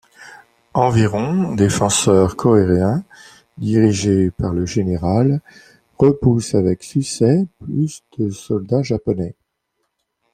Environ défenseurs coréens dirigés par le général repoussent avec succès plus de soldats japonais.